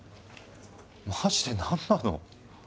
マジで何なの？